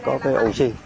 để cháu có